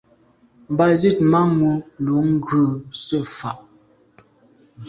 Mba zit manwù lo ghù se fà’.